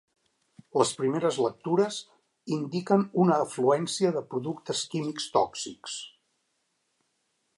Les primeres lectures indiquen una afluència de productes químics tòxics.